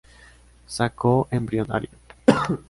Saco embrionario